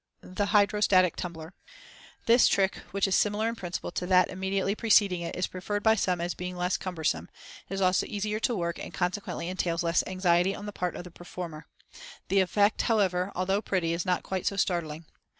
The Hydrostatic Tumbler.—This trick, which is similar in principle to that immediately preceding it, is preferred by some as being less cumbersome; it is also easier to work and consequently entails less anxiety on the part of the performer. The effect, however, although pretty, is not quite so startling.